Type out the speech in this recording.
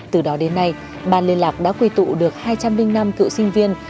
từ đó đến nay ban liên lạc đã quy tụ được hai trăm linh năm cựu sinh viên